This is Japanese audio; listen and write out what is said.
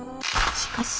しかし！